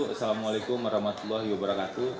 assalamualaikum warahmatullahi wabarakatuh